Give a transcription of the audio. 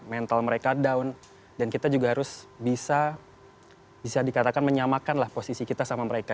mental mereka down dan kita juga harus bisa dikatakan menyamakanlah posisi kita sama mereka